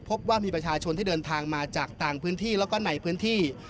พบว่ามีประชาชนที่เดินทางมาจากต่างพื้นที่แล้วก็ในพื้นที่